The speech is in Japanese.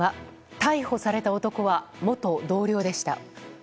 逮捕された男は元同僚でした。